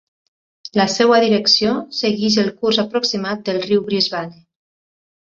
La seva direcció segueix el curs aproximat del riu Brisbane.